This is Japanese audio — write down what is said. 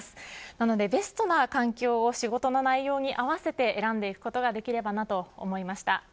なので、ベストな環境を仕事の内容に合わせて選んでいくことができればなと思いました。